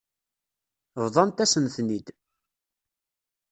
Bḍant-asen-ten-id.